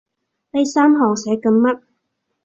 呢三行寫緊乜？